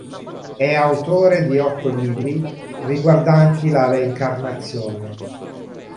È autore di otto libri riguardanti la reincarnazione.